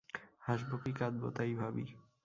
হাসব কি কাঁদব তাই ভাবি।